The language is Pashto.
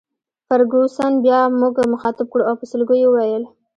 فرګوسن بیا موږ مخاطب کړو او په سلګیو یې وویل.